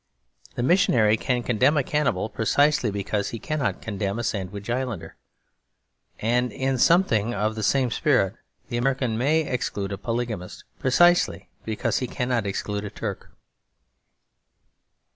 The missionary can condemn a cannibal, precisely because he cannot condemn a Sandwich Islander. And in something of the same spirit the American may exclude a polygamist, precisely because he cannot exclude a Turk.